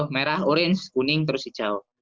merah orange kuning terus hijau